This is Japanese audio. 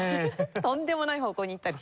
とんでもない方向にいったりして。